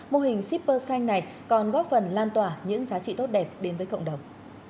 mô hình shipper xanh này còn góp phần lan tỏa những giá trị tốt đẹp đến với cộng đồng